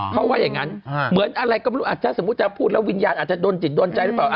เขาว่าอย่างนั้นเหมือนอะไรก็ไม่รู้ถ้าสมมุติจะพูดแล้ววิญญาณอาจจะโดนจิตโดนใจหรือเปล่า